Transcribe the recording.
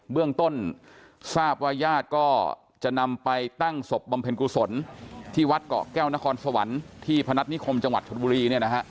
เรื่องต้นทราบว่าญาติก็จะนำไปตั้งศพบำเพ็ญกุศลที่วัดเกาะแก้วนครสวรรค์ที่พนัฐนิคมจังหวัดชนบุรี